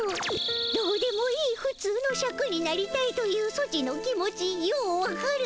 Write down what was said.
どうでもいいふつうのシャクになりたいというソチの気持ちようわかる。